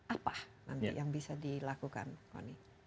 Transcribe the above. apa nanti yang bisa dilakukan kony